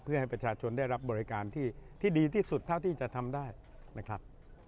เพื่อให้ประชาชนได้รับบริการที่ดีที่สุดเท่าที่จะทำได้นะครับ